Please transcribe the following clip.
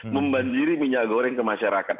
membanjiri minyak goreng ke masyarakat